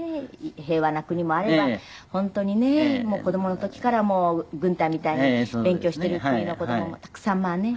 平和な国もあれば本当にね子供の時から軍隊みたいに勉強してる国の子供もたくさんまあねいる。